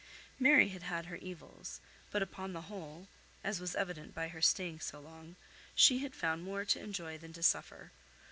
Mary had had her evils; but upon the whole, as was evident by her staying so long, she had found more to enjoy than to suffer.